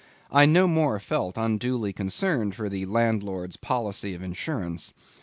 I no more felt unduly concerned for the landlord's policy of insurance.